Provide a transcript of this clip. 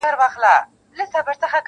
مُلا وايی قبلیږي دي دُعا په کرنتین کي--!